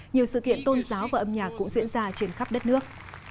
nhiều sự kiện tôn giáo và âm nhạc cũng diễn ra trên khắp đất nước